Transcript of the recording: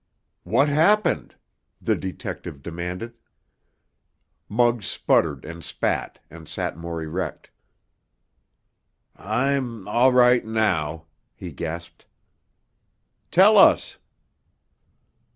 "What happened?" the detective demanded. Muggs sputtered and spat, and sat more erect. "I'm—all right now," he gasped. "Tell us!"